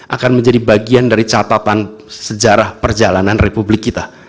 akan menjadi bagian dari catatan sejarah perjalanan republik kita